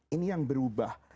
ini yang berubah